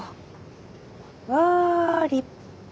わあ立派！